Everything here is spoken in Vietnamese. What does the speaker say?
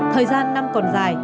thời gian năm còn dài